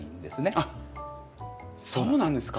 あっそうなんですか？